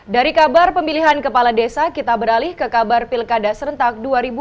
dari kabar pemilihan kepala desa kita beralih ke kabar pilkada serentak dua ribu delapan belas